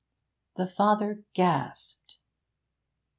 The father gasped.